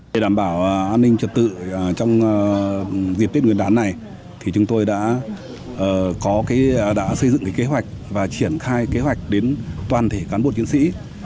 để đảm bảo an ninh trật tự trong dịp tết nguyên đán này thì chúng tôi đã xây dựng kế hoạch và triển khai kế hoạch đến toàn thể cán bộ chiến sĩ